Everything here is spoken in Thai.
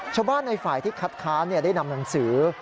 ชาวบ้านในฝ่ายที่คัดค้านได้นำหนังสือ